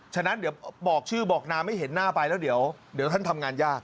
ฉะนั้นเดี๋ยวบอกชื่อบอกนาไม่เห็นหน้าไปแล้วเดี๋ยวท่านทำงานยาก